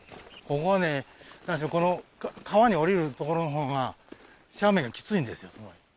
ここはね、何しろ、この川に下りる所のほうが、斜面がきついんですよ、すごい。